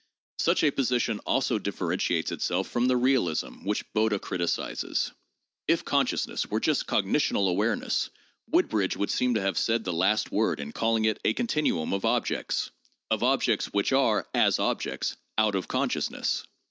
Such a position also differentiates itself from the realism which Bode criticizes. If consciousness were just cognitional awareness, Woodbridge would seem to have said the last word in callings it a 'continuum of objects'— of objects which are, as objects, out of con sciousness.